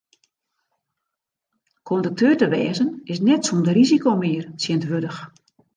Kondukteur te wêzen is net sûnder risiko mear tsjintwurdich.